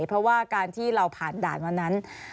เพราะว่าการที่เราผ่านด่านวันนั้น